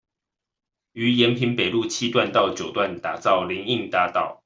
於延平北路七段到九段打造林蔭大道